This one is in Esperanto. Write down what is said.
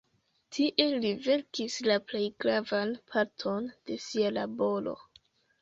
Tie li verkis la plej gravan parton de sia laboro.